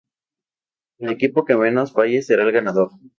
El equipo que menos falle será el ganador.